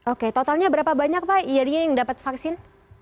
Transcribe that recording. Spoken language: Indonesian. oke totalnya berapa banyak pak jadinya yang dapat vaksin